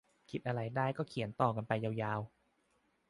คิดอะไรได้ก็เขียนต่อกันไปยาวยาว